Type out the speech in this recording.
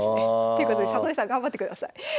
ということで里見さん頑張ってください。